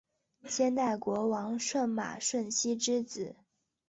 先代国王舜马顺熙之子。